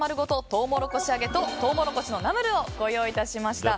トウモロコシ揚げとトウモロコシのナムルをご用意致しました。